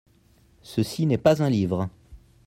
Ceci n'est pas un livre.